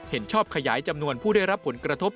เห็นชอบขยายจำนวนผู้ได้รับผลกระทบ